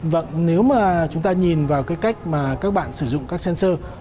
vâng nếu mà chúng ta nhìn vào cái cách mà các bạn sử dụng các sensor